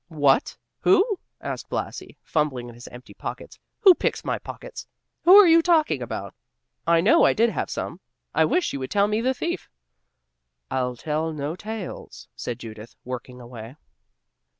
"What? who?" asked Blasi, fumbling in his empty pockets. "Who picks my pockets? Who are you talking about? I know I did have some; I wish you would tell me the thief." "I'll tell no tales," said Judith, working away.